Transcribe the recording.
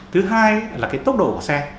thứ hai là cái tốc độ của xe